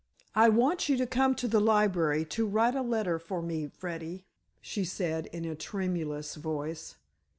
"I want you to come to the library to write a letter for me, Freddy," she said in a tremulous voice.